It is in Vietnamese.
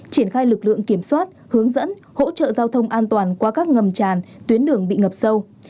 triển khai lực lượng kiểm soát hướng dẫn hỗ trợ giao thông an toàn qua các ngầm tràn tuyến đường bị ngập sâu